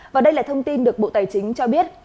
và đây là thông tin được bộ tài chính cho biết